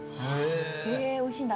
へえおいしいんだ。